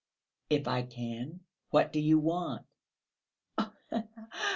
"If I can.... What do you want?"